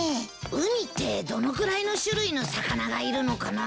海ってどのくらいの種類の魚がいるのかな？